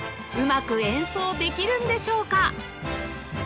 うまく演奏できるんでしょうか？